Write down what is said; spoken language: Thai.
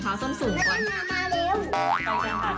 ไปเกินค่ะไปเกินค่ะ